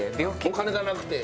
お金がなくて。